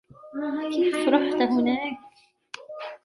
كيف رحت لهونيك ؟